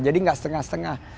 jadi enggak setengah setengah